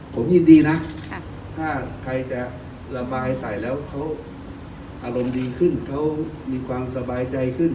ผมยินดีนะถ้าใครจะระบายใส่แล้วเขาอารมณ์ดีขึ้นเขามีความสบายใจขึ้น